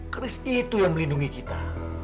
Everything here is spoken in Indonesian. karena itu yang melindungi kita